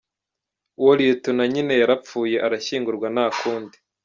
Uwo Lieutenant nyine yarapfuye arashyingurwa nta kundi.